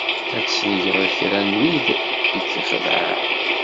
Ad tesnegreḍ kra n win i k-ixedɛen.